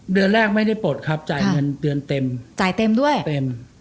เดือนแรกไม่ได้ปลดครับจ่ายเงินเดือนเต็มจ่ายเต็มด้วยเต็ม